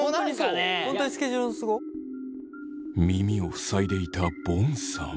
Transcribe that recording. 耳を塞いでいたボンさん。